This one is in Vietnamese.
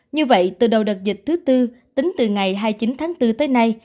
như vậy từ đầu đợt dịch thứ tư tính từ ngày hai mươi chín tháng bốn tới nay